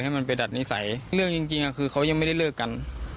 ให้มันไปดัดนิสัยเรื่องจริงคือเขายังไม่ได้เลิกกัน